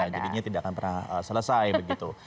jadinya tidak akan pernah selesai begitu